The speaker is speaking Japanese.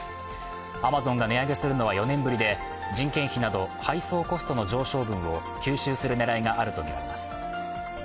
アマゾンが値上げするのは４年ぶりで人件費など配送コストの上昇分を吸収する狙いがあるとみられます。